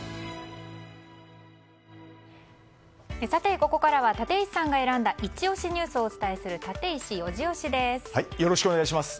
ここからは立石さんが選んだイチ推しニュースをお伝えするよろしくお願いします。